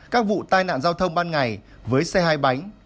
các vụ tai nạn giao thông ban ngày với xe hai bánh